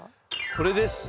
これです。